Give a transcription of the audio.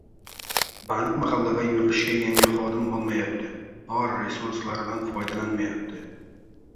Bank mahallabay yurishga yangi xodim olmayapti, bor resurslaridan foydalanayapti.